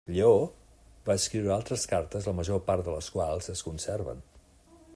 Lleó va escriure altres cartes la major part de les quals es conserven.